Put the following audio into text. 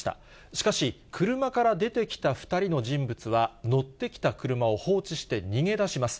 しかし車から出てきた２人の人物は、乗ってきた車を放置して逃げ出します。